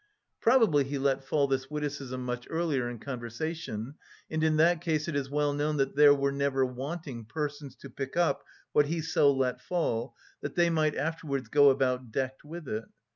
Probably he let fall this witticism much earlier in conversation, and in that case it is well known that there were never wanting persons to pick up what he so let fall that they might afterwards go about decked with it.